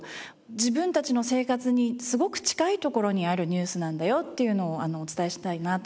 自分たちの生活にすごく近いところにあるニュースなんだよっていうのをお伝えしたいなと思ってます。